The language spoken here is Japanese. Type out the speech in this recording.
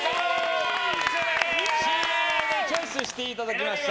ＣＭ中にチョイスしていただきました。